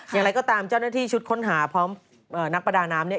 อย่างไรก็ตามเจ้าหน้าที่ชุดค้นหาพร้อมนักประดาน้ำเนี่ย